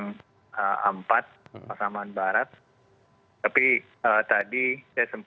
kenapa dokter harus bekerja contoh di parab arnold